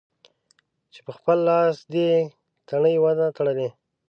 چې په خپل لاس دې تڼۍ و نه تړلې.